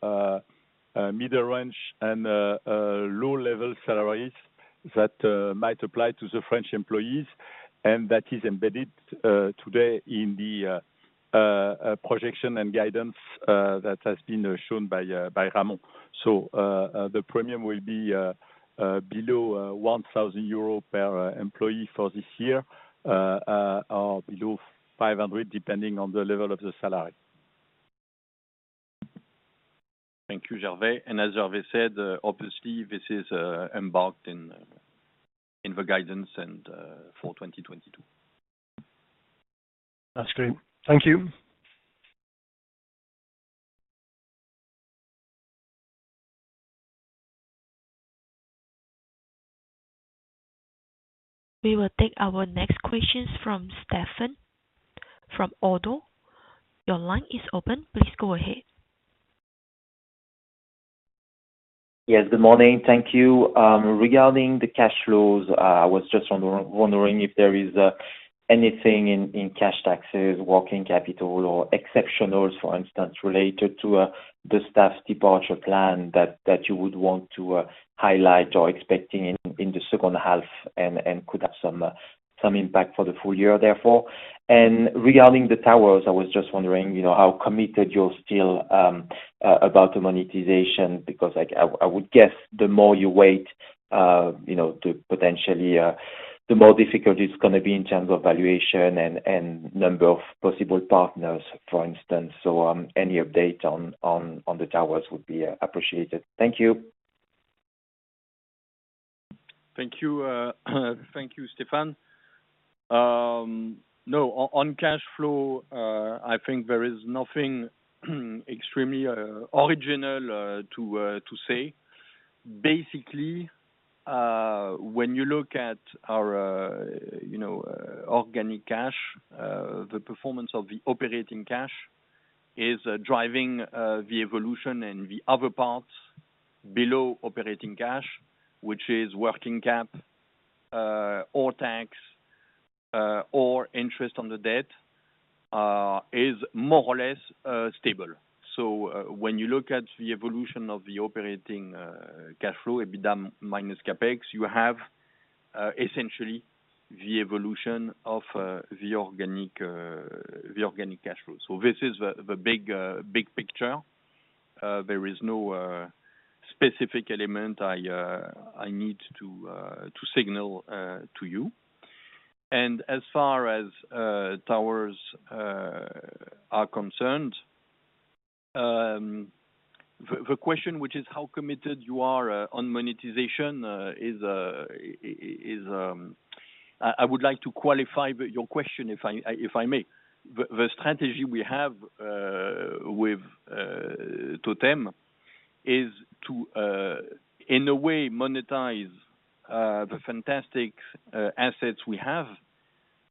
middle range and low level salaries that might apply to the French employees. That is embedded today in the projection and guidance that has been shown by Ramon. The premium will be below 1,000 euro per employee for this year or below 500, depending on the level of the salary. Thank you, Gervais. As Gervais said, obviously this is embarked in the guidance and for 2022. That's great. Thank you. We will take our next questions from Stéphane from Oddo. Your line is open. Please go ahead. Yes, good morning. Thank you. Regarding the cash flows, I was just wondering if there is anything in cash taxes, working capital or exceptionals, for instance, related to the staff's departure plan that you would want to highlight or expecting in the second half and could have some impact for the full year, therefore. Regarding the towers, I was just wondering, you know, how committed you're still about the monetization because I would guess the more you wait, you know, to potentially, the more difficult it's gonna be in terms of valuation and number of possible partners, for instance. Any update on the towers would be appreciated. Thank you. Thank you. Thank you, Stéphane. No. On cash flow, I think there is nothing extremely original to say. Basically, when you look at our, you know, organic cash flow, the performance of the operating cash flow is driving the evolution in the other parts below operating cash, which is working cap, or tax, or interest on the debt, is more or less stable. When you look at the evolution of the operating cash flow, EBITDA minus CapEx, you have essentially the evolution of the organic cash flow. This is the big picture. There is no specific element I need to signal to you. As far as towers are concerned, the question which is how committed you are on monetization is, I would like to qualify your question if I may. The strategy we have with TOTEM is to in a way monetize the fantastic assets we have,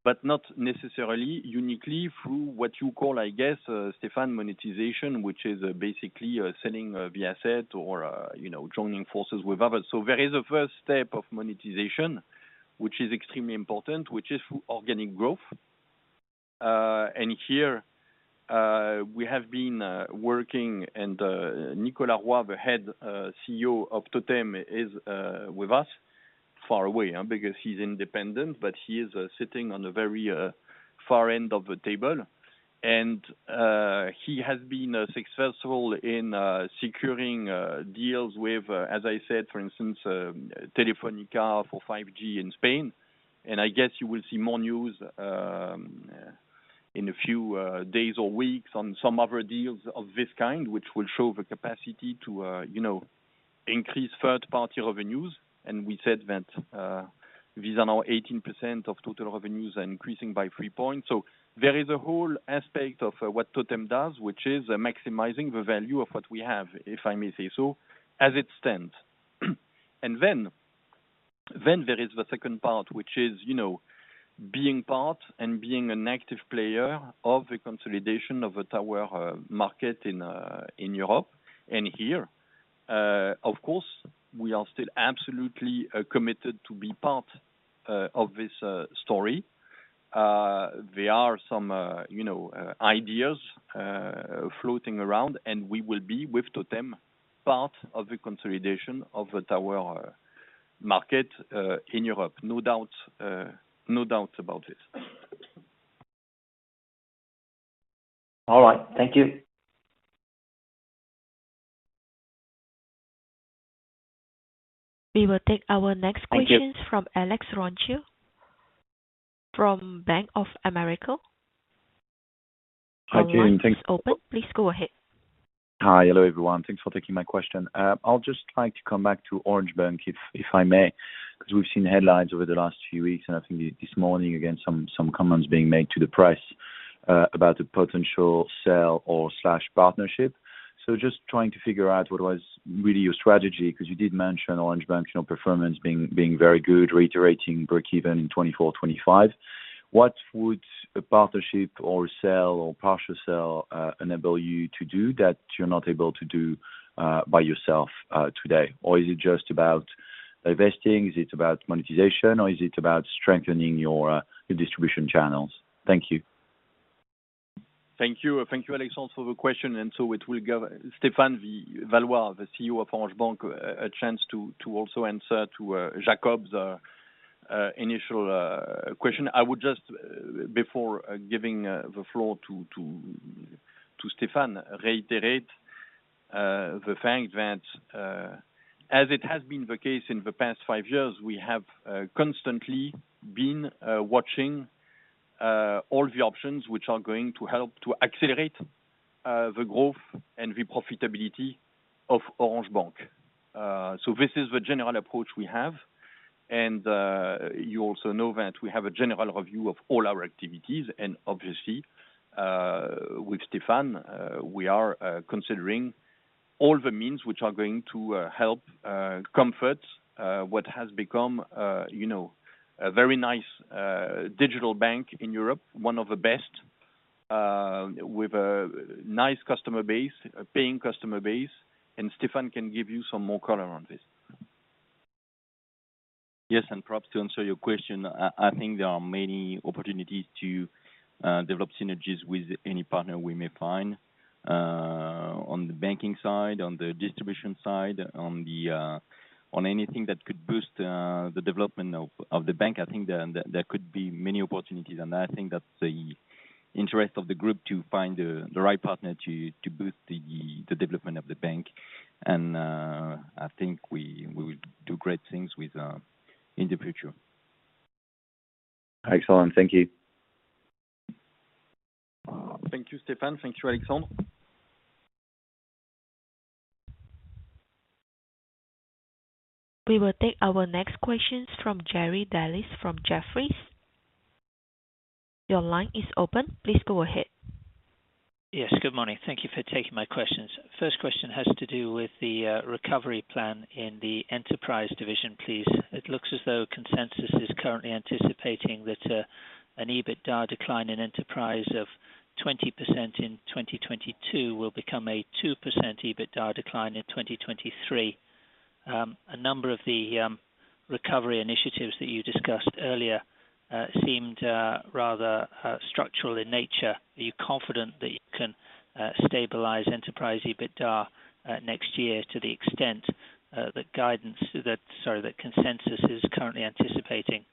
but not necessarily uniquely through what you call, I guess, Stéphane monetization, which is basically selling the asset or, you know, joining forces with others. There is a first step of monetization, which is extremely important, which is through organic growth. Here we have been working and Nicolas Roy, the head CEO of TOTEM is with us far away, huh, because he's independent, but he is sitting on the very far end of the table. He has been successful in securing deals with, as I said, for instance, Telefónica for 5G in Spain. I guess you will see more news in a few days or weeks on some other deals of this kind, which will show the capacity to you know, increase third party revenues. We said that these are now 18% of total revenues are increasing by three points. There is a whole aspect of what TOTEM does, which is maximizing the value of what we have, if I may say so, as it stands. Then there is the second part, which is you know, being part and being an active player of the consolidation of the tower market in Europe. Here, of course, we are still absolutely committed to be part of this story. There are some, you know, ideas floating around, and we will be with TOTEM, part of the consolidation of the tower market in Europe. No doubts about it. All right. Thank you. We will take our next questions from Alex Ronchi from Bank of America. Hi Kim. Thanks. Your line is open. Please go ahead. Hi. Hello, everyone. Thanks for taking my question. I'll just like to come back to Orange Bank, if I may, 'cause we've seen headlines over the last few weeks, and I think this morning, again, some comments being made to the press, about a potential sale or partnership. Just trying to figure out what was really your strategy. 'Cause you did mention Orange Bank, you know, performance being very good, reiterating breakeven in 2024-2025. What would a partnership or sale or partial sale enable you to do that you're not able to do by yourself today? Or is it just about divesting? Is it about monetization, or is it about strengthening your distribution channels? Thank you. Thank you. Thank you, Alexandre, for the question, and it will give Stéphane Vallois, the CEO of Orange Bank, a chance to also answer to Jakob's initial question. I would just, before giving the floor to Stéphane, reiterate the fact that, as it has been the case in the past five years, we have constantly been watching all the options which are going to help to accelerate the growth and the profitability of Orange Bank. This is the general approach we have, and you also know that we have a general review of all our activities. Obviously, with Stéphane, we are considering all the means which are going to help confirm what has become, you know, a very nice digital bank in Europe, one of the best, with a nice customer base, paying customer base. Stéphane can give you some more color on this. Yes. Perhaps to answer your question, I think there are many opportunities to develop synergies with any partner we may find, on the banking side, on the distribution side, on anything that could boost the development of the bank. I think there could be many opportunities. I think that's the interest of the group to find the right partner to boost the development of the bank. I think we will do great things with in the future. Excellent. Thank you. Thank you, Stéphane. Thank you, Alexandre. We will take our next questions from Jerry Dellis from Jefferies. Your line is open. Please go ahead. Yes. Good morning. Thank you for taking my questions. First question has to do with the recovery plan in the enterprise division, please. It looks as though consensus is currently anticipating that an EBITDA decline in enterprise of 20% in 2022 will become a 2% EBITDA decline in 2023. A number of the recovery initiatives that you discussed earlier seemed rather structural in nature. Are you confident that you can stabilize enterprise EBITDA next year to the extent that consensus is currently anticipating?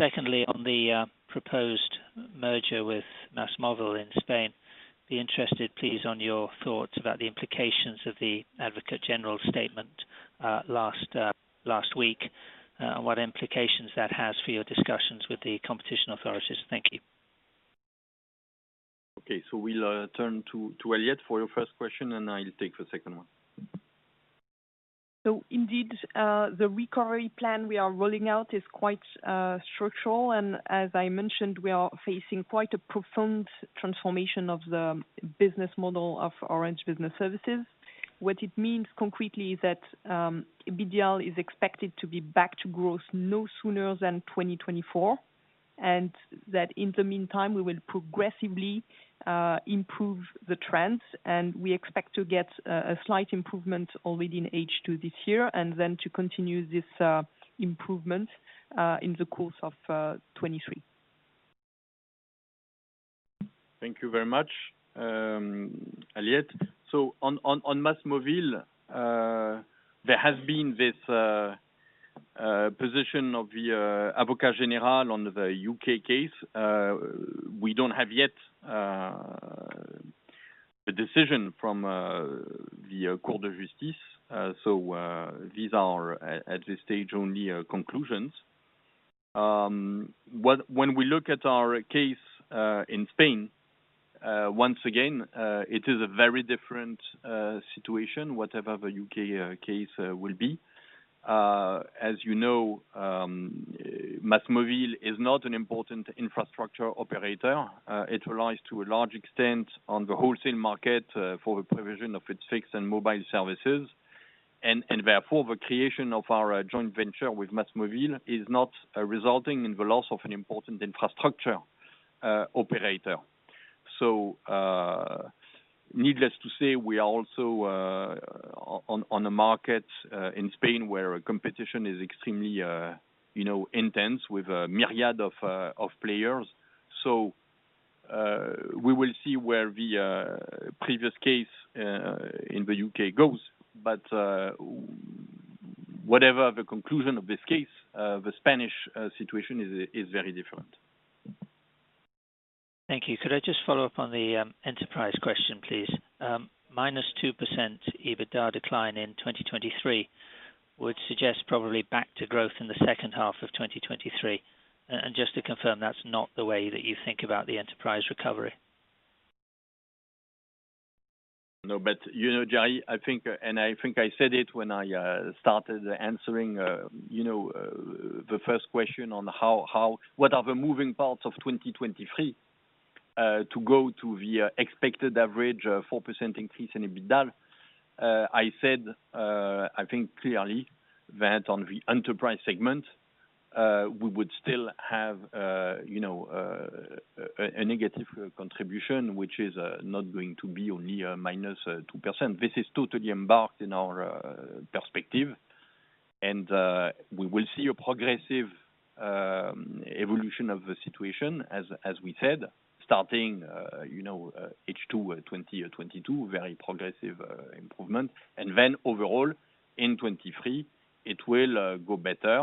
Secondly, on the proposed merger with MASMOVIL in Spain, be interested please on your thoughts about the implications of the Advocate General statement last week, what implications that has for your discussions with the competition authorities. Thank you. We'll turn to Aliette for your first question, and I'll take the second one. Indeed, the recovery plan we are rolling out is quite structural, and as I mentioned, we are facing quite a profound transformation of the business model of Orange Business Services. What it means concretely is that B2B is expected to be back to growth no sooner than 2024, and that in the meantime, we will progressively improve the trends, and we expect to get a slight improvement already in H2 this year, and then to continue this improvement in the course of 2023. Thank you very much, Aliette. On MASMOVIL, there has been this position of the Advocate General on the U.K. case. We don't have yet the decision from the Court of Justice. These are at this stage only conclusions. When we look at our case in Spain, once again, it is a very different situation, whatever the U.K. case will be. As you know, MASMOVIL is not an important infrastructure operator. It relies to a large extent on the wholesale market for the provision of its fixed and mobile services. Therefore, the creation of our joint venture with MASMOVIL is not resulting in the loss of an important infrastructure operator. Needless to say, we are also on a market in Spain where competition is extremely, you know, intense with a myriad of players. We will see where the previous case in the U.K. goes. Whatever the conclusion of this case, the Spanish situation is very different. Thank you. Could I just follow up on the enterprise question, please? -2% EBITDA decline in 2023 would suggest probably back to growth in the second half of 2023. Just to confirm, that's not the way that you think about the enterprise recovery. No, you know, Jerry, I think I said it when I started answering the first question on what are the moving parts of 2023 to go to the expected average of 4% increase in EBITDA. I said I think clearly that on the enterprise segment we would still have a negative contribution, which is not going to be only -2%. This is totally embedded in our perspective. We will see a progressive evolution of the situation, as we said, starting H2 2022, very progressive improvement. Overall in 2023, it will go better.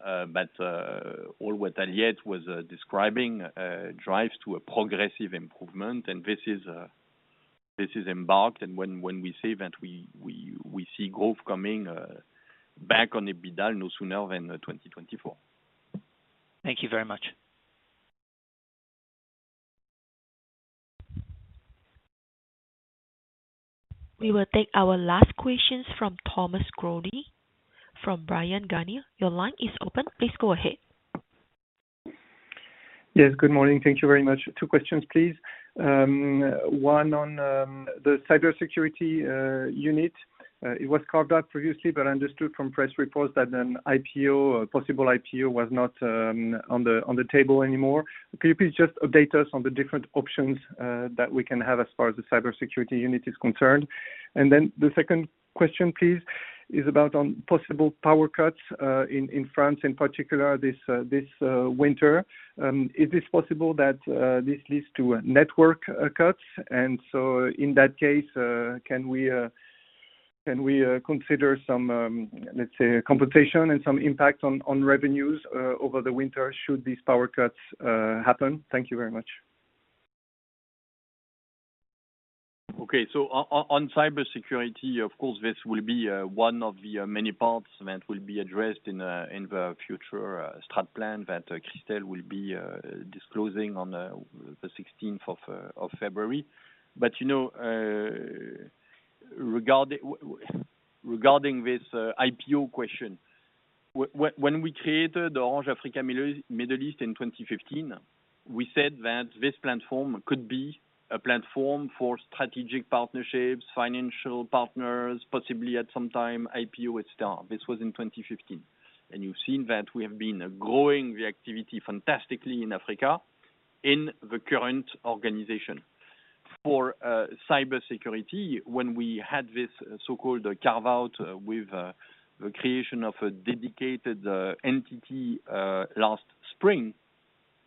All that Aliette was describing drives to a progressive improvement. This is embarked. When we say that we see growth coming back on EBITDA no sooner than 2024. Thank you very much. We will take our last questions from Thomas Coudry from Bryan Garnier. Your line is open. Please go ahead. Yes, good morning. Thank you very much. Two questions, please. One on the cybersecurity unit. It was carved out previously, but I understood from press reports that a possible IPO was not on the table anymore. Could you please just update us on the different options that we can have as far as the cybersecurity unit is concerned? Then the second question, please, is about possible power cuts in France, in particular this winter. Is it possible that this leads to network cuts? So in that case, can we consider some, let's say, computation and some impact on revenues over the winter should these power cuts happen? Thank you very much. Okay. On cybersecurity, of course, this will be one of the many parts that will be addressed in the future strat plan that Christel will be disclosing on the sixteenth of February. You know, regarding this IPO question, when we created Orange Middle East and Africa in 2015, we said that this platform could be a platform for strategic partnerships, financial partners, possibly at some time IPO, et cetera. This was in 2015. You've seen that we have been growing the activity fantastically in Africa in the current organization. For cybersecurity, when we had this so-called carve out with the creation of a dedicated entity last spring,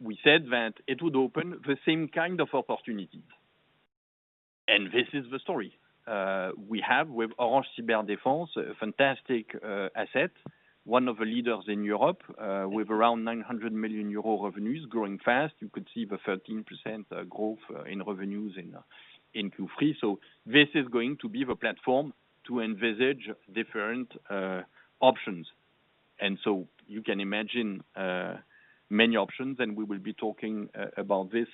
we said that it would open the same kind of opportunities. This is the story we have with Orange Cyberdefense, a fantastic asset, one of the leaders in Europe, with around 900 million euro revenues growing fast. You could see the 13% growth in revenues in Q3. This is going to be the platform to envisage different options. You can imagine many options, and we will be talking about this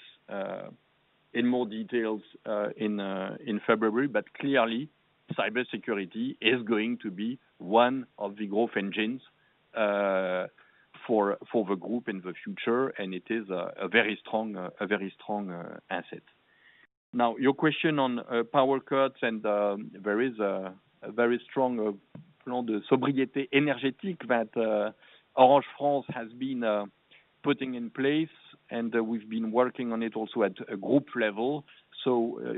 in more details in February. Clearly, cybersecurity is going to be one of the growth engines for the group in the future, and it is a very strong asset. Now, your question on power cuts and there is a very strong energy that Orange France has been putting in place, and we've been working on it also at a group level.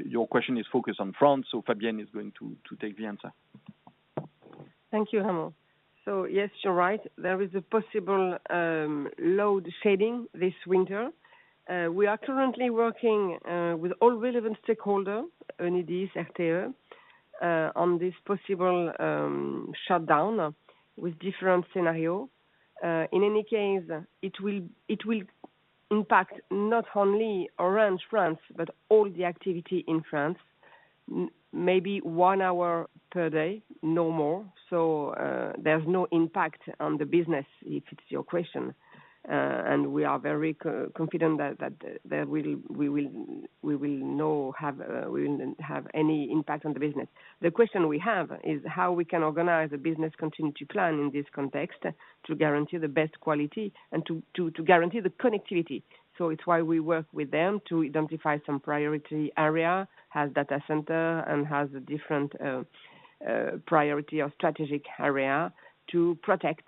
Your question is focused on France, so Fabienne is going to take the answer. Thank you, Ramon. Yes, you're right. There is a possible load shedding this winter. We are currently working with all relevant stakeholders, Enedis, RTE, on this possible shutdown with different scenario. In any case, it will impact not only Orange France, but all the activity in France, maybe one hour per day, no more. There's no impact on the business if it's your question. We are very confident that we will not have, we wouldn't have any impact on the business. The question we have is how we can organize a business continuity plan in this context to guarantee the best quality and to guarantee the connectivity. It's why we work with them to identify some priority area, as data center, and as a different priority or strategic area to protect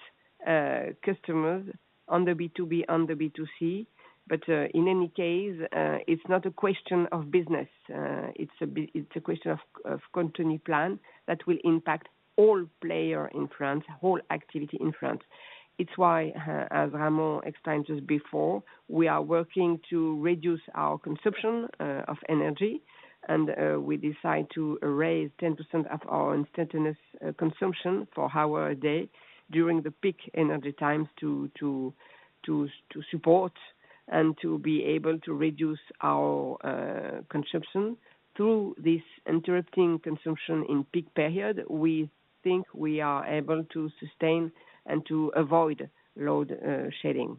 customers in B2B and B2C. In any case, it's not a question of business. It's a question of continuity plan that will impact all players in France, whole activity in France. It's why, as Ramon explained just before, we are working to reduce our consumption of energy. We decide to reduce 10% of our instantaneous consumption for one hour a day during the peak energy times to support and to be able to reduce our consumption. Through this reduction in consumption in peak period, we think we are able to sustain and to avoid load shedding.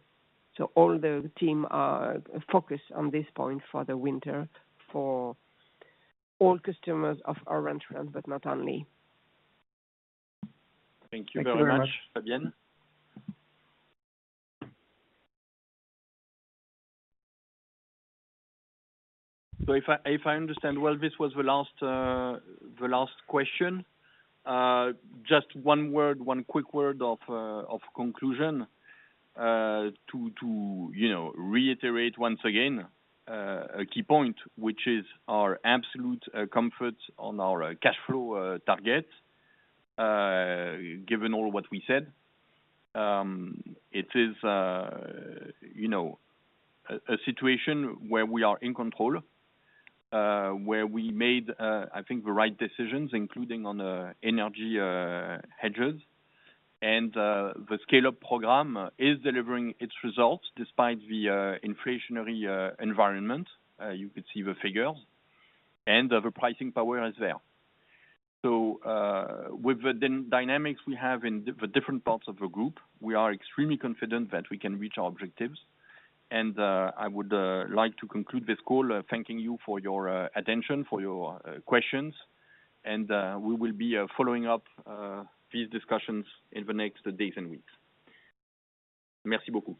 All the team are focused on this point for the winter for all customers of Orange France, but not only. Thank you very much, Fabienne. If I understand well, this was the last question. Just one quick word of conclusion to you know, reiterate once again, a key point, which is our absolute comfort on our cash flow target, given all what we said. It is you know, a situation where we are in control, where we made, I think the right decisions, including on the energy hedges. The Scale Up program is delivering its results despite the inflationary environment. You could see the figures, and the pricing power is there. With the dynamics we have in the different parts of the group, we are extremely confident that we can reach our objectives. I would like to conclude this call, thanking you for your attention, for your questions. We will be following up these discussions in the next days and weeks. Merci beaucoup.